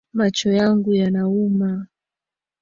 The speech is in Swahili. Macho yangu yanauma